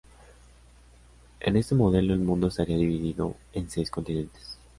En este modelo, el mundo estaría dividido en seis continentes.